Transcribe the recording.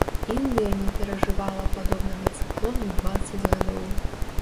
Індыя не перажывала падобнага цыклону дваццаць гадоў.